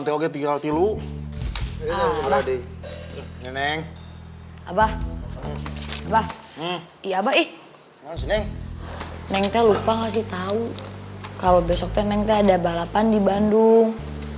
neng nanti gue lupa kasih tau kalau besok ada balapan di bandung